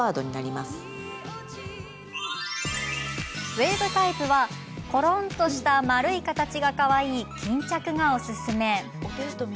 ウエーブタイプはコロンとした丸い形がかわいい巾着がおすすめ。